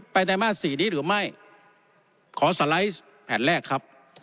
ไตรมาส๔นี้หรือไม่ขอสไลด์แผ่นแรกครับ